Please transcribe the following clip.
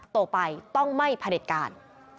ต่อไปต้องไม่ผลิตการ